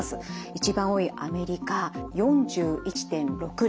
一番多いアメリカ４１．６例。